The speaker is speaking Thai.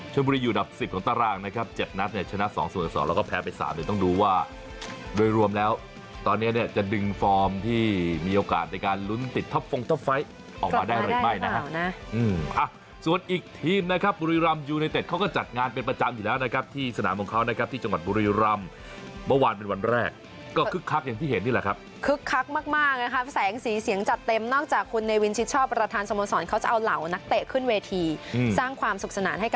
เช่นบุรีอยู่ดับ๑๐ของตารางนะครับ๗นัทชนะ๒สมสอนแล้วก็แพ้ไป๓หน่อยต้องดูว่าโดยรวมแล้วตอนนี้เนี่ยจะดึงฟอร์มที่มีโอกาสในการลุ้นติดท็อปฟองท็อปไฟท์ออกมาได้หรือไม่นะครับส่วนอีกทีมนะครับบุรีรำยูเนเต็ดเขาก็จัดงานเป็นประจำทีแล้วนะครับที่สนานบงเคราะห์นะครับที่จังหวัดบุรี